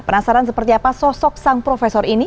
penasaran seperti apa sosok sang profesor ini